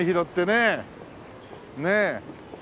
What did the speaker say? ねえ。